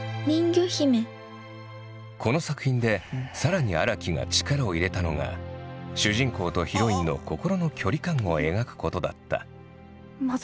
この作品でさらに荒木が力を入れたのが主人公とヒロインの心の距離感を描くことだった。